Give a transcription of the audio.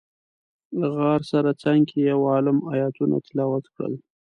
غار سره څنګ کې یو عالم ایتونه تلاوت کړل.